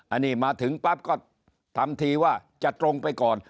อันนี้มาถึงปั๊บก็ทำทีว่าจะตรงไปก่อน